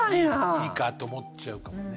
いいかって思っちゃうかもね。